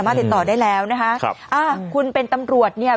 ปรากฏว่าสิ่งที่เกิดขึ้นคลิปนี้ฮะ